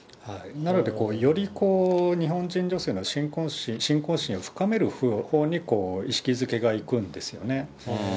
なので、より日本人女性の信仰心を深めるほうに意識づけがいくんですよね。